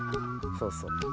そうそう。